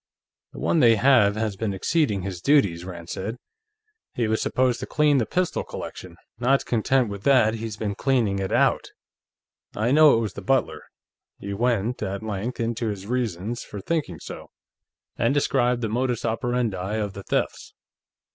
"The one they have has been exceeding his duties," Rand said. "He was supposed to clean the pistol collection. Not content with that, he's been cleaning it out. I know it was the butler." He went, at length, into his reasons for thinking so, and described the modus operandi of the thefts.